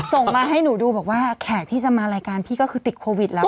ส่งมาให้หนูดูบอกว่าแขกที่จะมารายการพี่ก็คือติดโควิดแล้ว